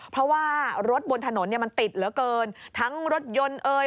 เพราะว่ารถบนถนนเนี่ยมันติดเหลือเกินทั้งรถยนต์เอ่ย